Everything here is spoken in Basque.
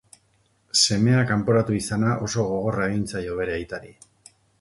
Semea kanporatu izana oso gogorra egin zaio bere aitari.